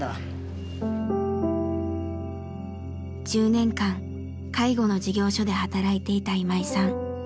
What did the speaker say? １０年間介護の事業所で働いていた今井さん。